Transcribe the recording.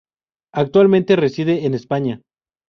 Actualmente reside en España.